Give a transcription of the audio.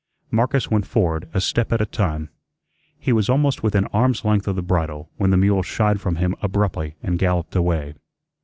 Marcus went forward a step at a time. He was almost within arm's length of the bridle when the mule shied from him abruptly and galloped away.